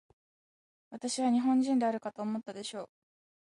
私は日本人であるかと思ったでしょう。